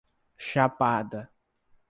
Chapada